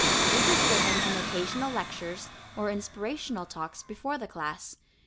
This is given in occasional lectures or inspirational talks before the class.